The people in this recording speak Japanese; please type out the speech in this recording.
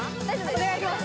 お願いします